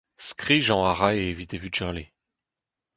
Skrijañ a rae evit e vugale.